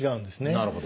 なるほど。